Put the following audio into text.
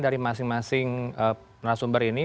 dari masing masing narasumber ini